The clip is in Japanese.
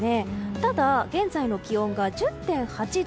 ただ、現在の気温が１０．８度。